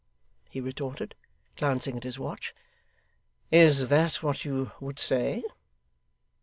he retorted, glancing at his watch. 'Is that what you would say?